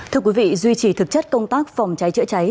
thưa quý vị duy trì thực chất công tác phòng cháy chữa cháy